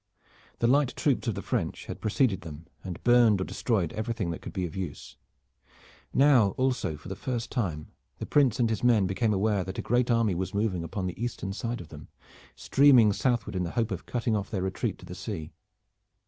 The light troops of the French had preceded then and burned or destroyed everything that could be of use. Now also for the first time the Prince and his men became aware that a great army was moving upon the eastern side of them, streaming southward in the hope of cutting off their retreat to the sea.